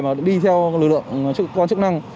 mà đi theo lực lượng quan chức năng